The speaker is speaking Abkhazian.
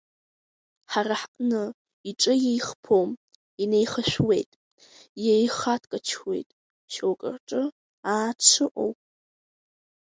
Ҳара ҳҟны иҿы еихԥом, инеихашәуеит, иеихаткачуеит, шьоукы рҿы, аа дшыҟоу!